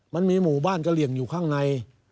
มันมีหมู่บ้านกะเหลี่ยงอยู่ข้างใน